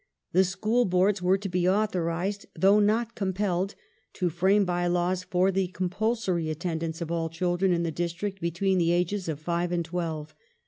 The School Boards were to be authorized — though not compelled — to frame bye laws for the compulsory attendance of all children in the district between the ages of five and twelve.